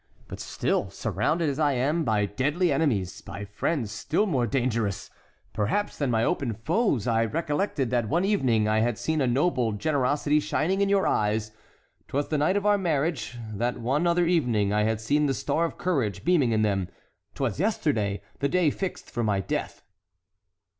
But still, surrounded as I am by deadly enemies, by friends still more dangerous, perhaps, than my open foes, I recollected that one evening I had seen a noble generosity shining in your eyes—'twas the night of our marriage; that one other evening I had seen the star of courage beaming in them—'twas yesterday, the day fixed for my death."